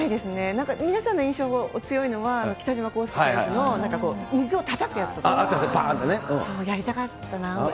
なんか、皆さんの印象のお強いのは、北島康介選手の水をたたくやつ、あれやりたかったなって。